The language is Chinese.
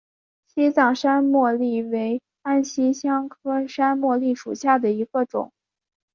西藏山茉莉为安息香科山茉莉属下的一个种。